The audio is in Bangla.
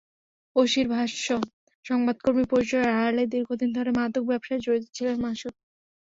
ওসির ভাষ্য, সংবাদকর্মী পরিচয়ের আড়ালে দীর্ঘদিন ধরে মাদক ব্যবসায় জড়িত ছিলেন মাসুদ।